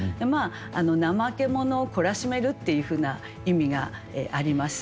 怠け者を懲らしめるっていうふうな意味があります。